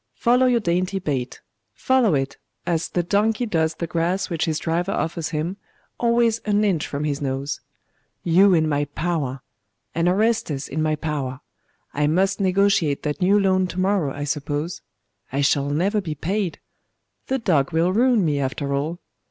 Follow your dainty bait! follow it, as the donkey does the grass which his driver offers him, always an inch from his nose.... You in my power! and Orestes in my power!.... I must negotiate that new loan to morrow, I suppose.... I shall never be paid. The dog will ruin me, after all!